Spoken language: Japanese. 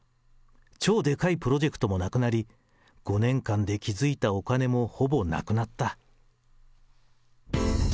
超でかいプロジェクトもなくなり、５年間で築いたお金もほぼなくなった。